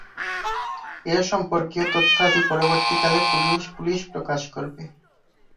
এ সম্পর্কীয় তথ্যাদি পরবর্তীকালে পুলিশ প্রকাশ করে।